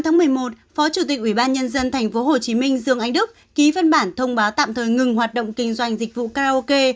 ngày một mươi tám một mươi một phó chủ tịch ubnd tp hcm dương anh đức ký phân bản thông báo tạm thời ngừng hoạt động kinh doanh dịch vụ karaoke